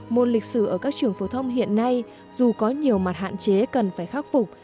môn lịch sử ở các trường phổ thông hiện nay dù có nhiều mặt hạn chế cần phải khắc phục